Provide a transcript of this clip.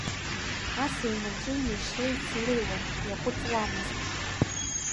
Асы еимаҷыҩны ишлеиц илеиуан, иаҟәыҵуамызт.